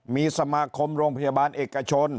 มีสมาคมโรงพยาบาลเอกชน